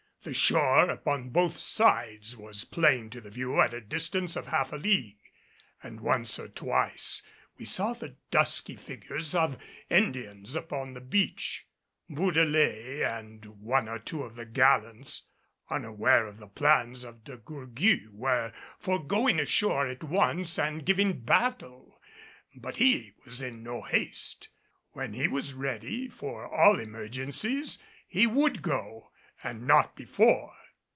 The shore upon both sides was plain to the view at a distance of half a league, and once or twice we saw the dusky figures of Indians upon the beach. Bourdelais and one or two of the gallants, unaware of the plans of De Gourgues, were for going ashore at once and giving battle; but he was in no haste, when he was ready for all emergencies he would go, and not before.